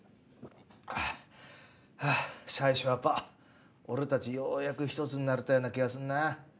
最初はパー俺たちようやく一つになれたような気がするな。